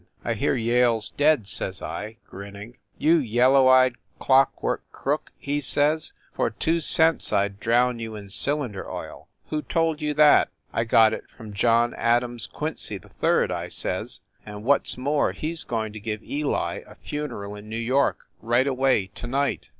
"I hear Yale s dead !" says I, grinning. "You yellow eyed clockwork crook," he says, WYCHERLEY COURT 249 "for two cents I d drown you in cylinder oil ! Who told you that?" "I got it from John Adams Quincy 3d/ I says "and what s more, he s going to give Eli a funeral in New York right away to night!"